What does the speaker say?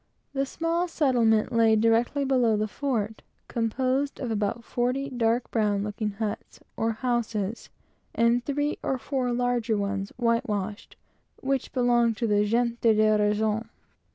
The small settlement lay directly below the fort, composed of about forty dark brown looking huts, or houses, and two larger ones, plastered, which belonged to two of the "gente de razón."